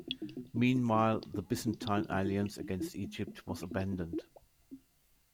Meanwhile, the Byzantine alliance against Egypt was abandoned.